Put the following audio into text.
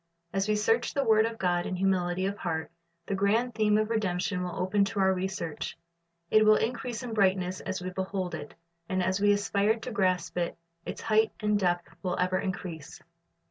As we search the word of God in humility of heart, the grand theme of redemption will open to our research. It will increase in brightness as we behold it, and as we aspire to grasp it, its height and depth will ever increase.